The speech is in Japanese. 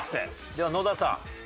では野田さん。